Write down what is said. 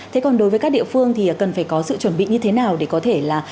thế còn đối với các địa phương thì cần phải có sự chuẩn bị như thế nào để có thể là